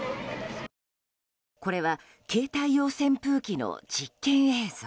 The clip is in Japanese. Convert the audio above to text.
これは、携帯用扇風機の実験映像。